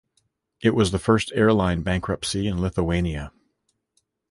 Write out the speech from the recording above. It was the first airline bankruptcy in Lithuania.